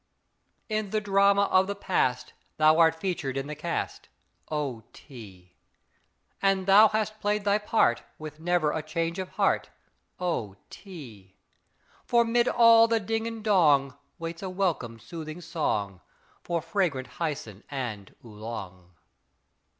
_ In the drama of the past Thou art featured in the cast; (O Tea!) And thou hast played thy part With never a change of heart, (O Tea!) For 'mid all the ding and dong Waits a welcome soothing song, For fragrant Hyson and Oolong.